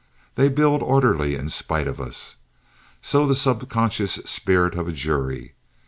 They build orderly in spite of us. So the subconscious spirit of a jury.